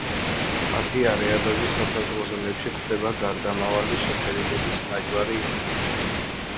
მათი არეალების სასაზღვრო ზონებში გვხვდება გარდამავალი შეფერილობის ნაჯვარი ინდივიდები.